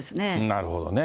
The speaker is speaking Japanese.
なるほどね。